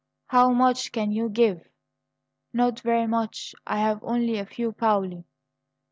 "How much can you give?" "Not very much; I have only a few paoli."